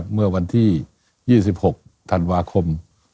เมื่อวันที่๒๖ธันวาคม